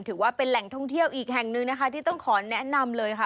ถือว่าเป็นแหล่งท่องเที่ยวอีกแห่งหนึ่งนะคะที่ต้องขอแนะนำเลยค่ะ